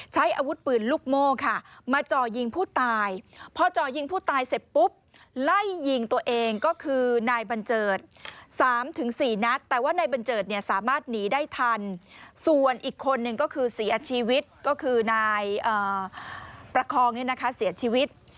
ใช้อาวุธปืนลูกโม่ค่ะมาจ่อยิงผู้ตายพอจ่อยิงผู้ตายเสร็จปุ๊บไล่ยิงตัวเองก็คือนายบัญเจิด๓๔นัดแต่ว่านายบัญเจิดเนี่ยสามารถหนีได้ทันส่วนอีกคนนึงก็คือเสียชีวิตก็คือนายประคองเนี่ยนะคะเสียชีวิต